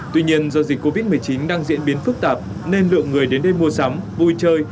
tuy nhiên do dịch covid một mươi chín đang diễn biến phức tạp nên lượng người đến đây mua sắm vui chơi